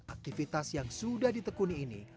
aktivitas yang sudah ditekuni ini